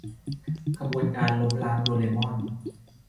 ขบวนการล้มล้างโดเรม่อน !